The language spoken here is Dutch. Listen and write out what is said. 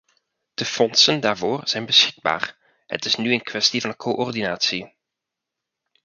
De fondsen daarvoor zijn beschikbaar, het is nu een kwestie van coördinatie.